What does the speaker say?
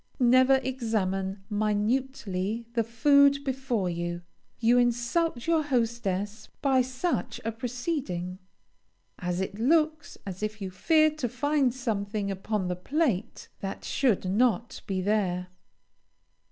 Never examine minutely the food before you. You insult your hostess by such a proceeding, as it looks as if you feared to find something upon the plate that should not be there.